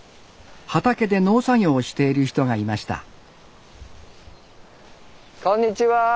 畑で農作業をしている人がいましたこんにちは！